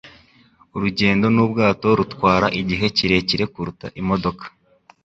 Urugendo nubwato rutwara igihe kirekire kuruta imodoka.